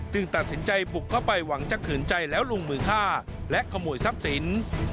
ตัดสินใจบุกเข้าไปหวังจะขืนใจแล้วลงมือฆ่าและขโมยทรัพย์สิน